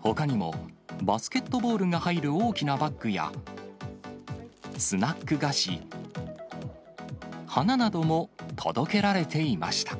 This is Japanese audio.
ほかにも、バスケットボールが入る大きなバッグや、スナック菓子、花なども届けられていました。